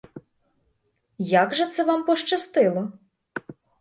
Як же це вам пощастило?